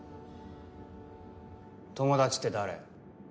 友達って誰？